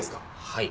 はい。